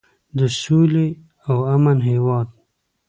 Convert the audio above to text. د سولې او امن هیواد.